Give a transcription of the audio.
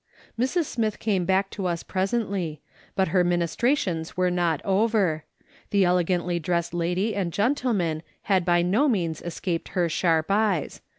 Mrs. Smith came back to us presently ; but her ministrations were not over. The elegantly dressed lady and gentleman had by no means escaped her sharp eyes.